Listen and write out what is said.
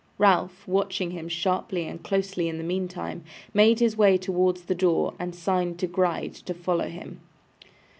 Ralph, watching him sharply and closely in the meantime, made his way towards the door, and signed to Gride to follow him.